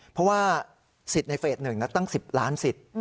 เพราะว่าสิทธิ์ในเฟส๑ตั้ง๑๐ล้านสิทธิ์